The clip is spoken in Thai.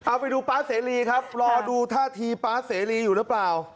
เอาไปดูป๊าเสรีครับรอดูท่าทีป๊าเสรีอยู่หรือเปล่า